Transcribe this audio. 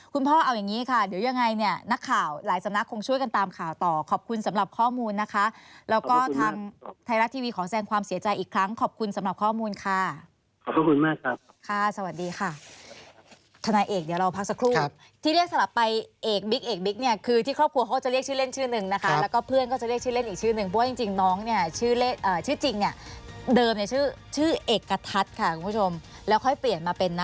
คุณพ่อเอาอย่างนี้ค่ะเดี๋ยวยังไงเนี่ย